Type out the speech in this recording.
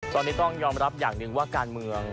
ตอนนี้ต้องยอมรับอย่างหนึ่งว่าการเมือง